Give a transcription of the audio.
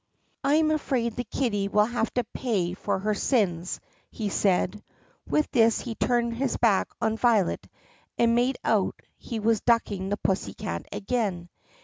"I am afraid the kitty will have to pay for her sins," he said. With this he turned his back on Violet and made out he was ducking the pussy again.